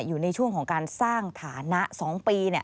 อยู่ในช่วงของการสร้างฐานะ๒ปี